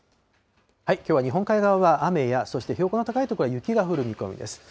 きょうは日本海側は雨や、そして標高の高い所は雪が降る見込みです。